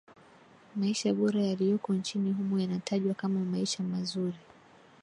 Maisha bora yaliyoko nchini humo yanatajwa kama maisha mazuri